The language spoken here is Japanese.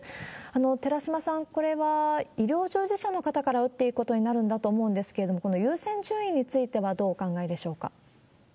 寺嶋さん、これは医療従事者の方から打っていくことになるんだと思うんですけれども、この優先順位についてはどうお考えでしょうか？